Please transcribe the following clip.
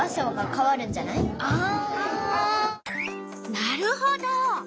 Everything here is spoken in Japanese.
なるほど。